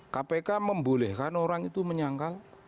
kpk membolehkan orang itu menyangkal